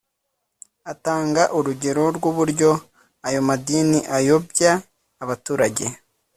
Atanga urugero rw’uburyo ayo madini ayobya abaturage